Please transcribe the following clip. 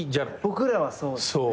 僕らはそうですね。